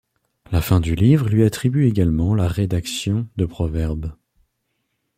La fin du livre lui attribue également la rédaction de Proverbes.